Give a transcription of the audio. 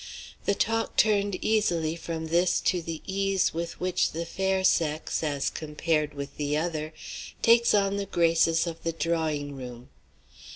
The talk turned easily from this to the ease with which the fair sex, as compared with the other, takes on the graces of the drawing room.